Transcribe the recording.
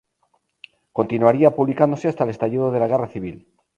Continuaría publicándose hasta el estallido de la Guerra civil.